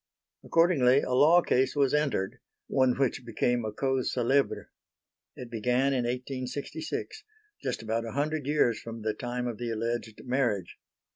Accordingly a law case was entered. One which became a cause célèbre. It began in 1866 just about a hundred years from the time of the alleged marriage.